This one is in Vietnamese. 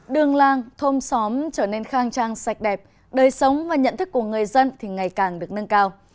đường làng thôn xóm trở nên khang trang sạch đẹp đời sống và nhận thức của người dân thì ngày càng được nâng cao